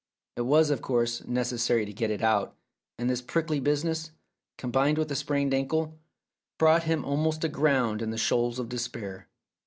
It was, of course, necessary to get it out, and this prickly business, combined with a sprained ankle, brought him almost aground in the shoals of despair.